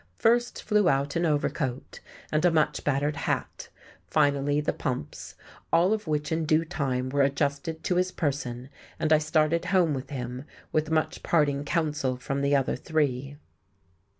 First flew out an overcoat and a much battered hat, finally the pumps, all of which in due time were adjusted to his person, and I started home with him, with much parting counsel from the other three.